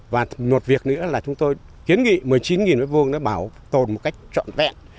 và một việc nữa là chúng tôi kiến nghị một mươi chín m hai bảo tồn một cách trọn vẹn